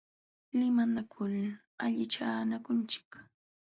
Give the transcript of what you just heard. Limanakul allichanakunchik.